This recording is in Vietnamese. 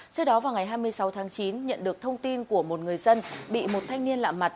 trước đó vào ngày hai mươi sáu tháng chín nhận được thông tin của một người dân bị một thanh niên lạ mặt